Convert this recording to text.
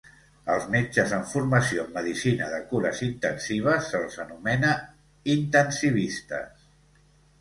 Els metges amb formació en medicina de cures intensives se'ls anomena intensivistes.